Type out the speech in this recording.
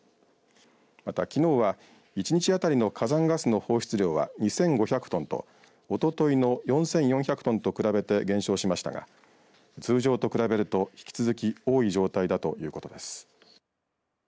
また、きのうは１日あたりの火山ガスの放出量は２５００トンとおとといの４４００トンと比べて減少しましたが通常と比べると、引き続き多い状態だということです。